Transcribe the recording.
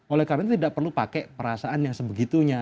oleh karena itu tidak perlu pakai perasaan yang sebegitunya